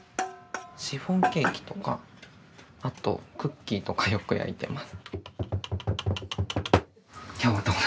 シフォンケーキとかあとクッキーとかよく焼いてます。